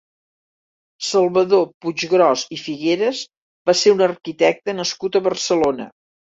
Salvador Puiggròs i Figueras va ser un arquitecte nascut a Barcelona.